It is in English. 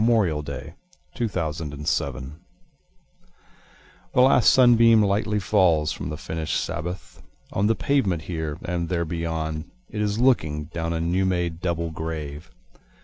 Dirge for Two Veterans The last sunbeam Lightly falls from the finishâd Sabbath, On the pavement here, and there beyond it is looking, Down a new made double grave.